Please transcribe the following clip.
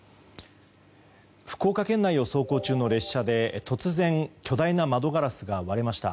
福岡県内を走行中の列車で突然巨大な窓ガラスが割れました。